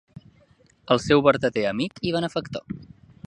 El seu verdader amic i benefactor.